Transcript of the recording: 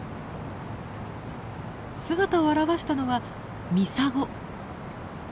姿を現したのはミサゴ。